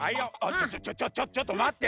ちょちょちょっとまって。